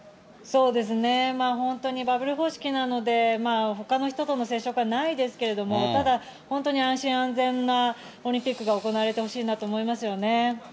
本当にバブル方式なので、ほかの人との接触はないですけれども、ただ、本当に安心・安全なオリンピックが行われてほしいなと思いますよね。